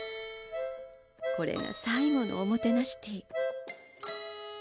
これが最後のおもてなしティー。